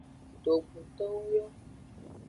Dogbotowo yo.